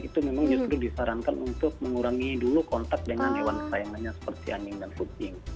itu memang justru disarankan untuk mengurangi dulu kontak dengan hewan kesayangannya seperti aning dan kucing